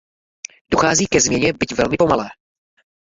Dochází ke změně, byť velmi pomalé.